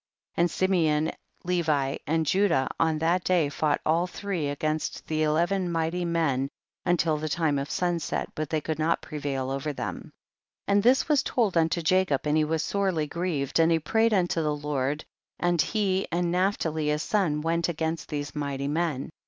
And Simeon, Levi and Judah on that day fought all three against the eleven mighty men until the time of sunset, but they could not prevail over them. 45. And this was to}d unto Jacob, and he was sorely grieved, and he prayed unto the Lord, and he and Naphtali his son went against these mighty men. 46.